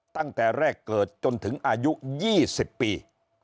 ตั้งแต่แรกเกิดจนถึงอายุ๒๐ปี